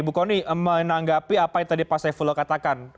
bu kony menanggapi apa yang tadi pak saifullah katakan